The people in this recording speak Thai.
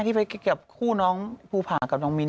ที่ไปกับคู่น้องภูผากับน้องมิ้นท